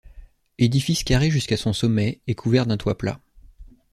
Édifice carré jusqu'à son sommet et couvert d'un toit plat.